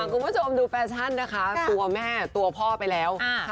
คุณผู้ชมดูแฟชั่นนะคะตัวแม่ตัวพ่อไปแล้ว